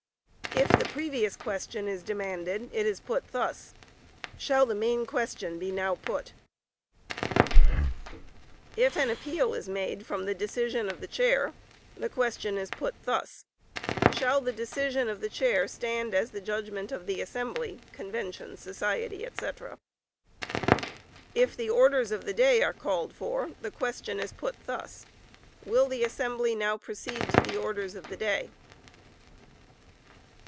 If the Previous Question is demanded, it is put thus: "Shall the main question be now put?" If an Appeal is made from the decision of the Chair, the question is put thus: "Shall the decision of the Chair stand as the judgment of the assembly?" [convention, society, etc.] If the Orders of the Day are called for, the question is put thus: "Will the assembly now proceed to the Orders of the Day?"